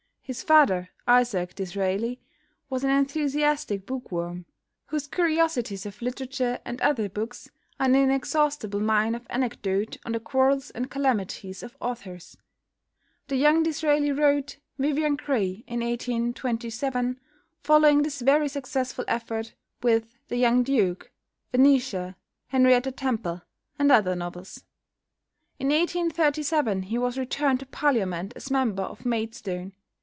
His father, Isaac D'Israeli, was an enthusiastic bookworm, whose "Curiosities of Literature" and other books are an inexhaustible mine of anecdote on the quarrels and calamities of authors. The young Disraeli wrote "Vivian Grey" in 1827, following this very successful effort with "The Young Duke," "Venetia," "Henrietta Temple," and other novels. In 1837 he was returned to Parliament as member for Maidstone.